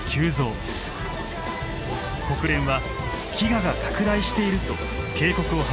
国連は飢餓が拡大していると警告を発しています。